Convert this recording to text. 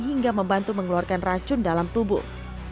hingga membantu mengeluarkan racun dalam tubuh